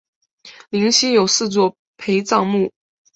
灵犀有四座陪葬墓。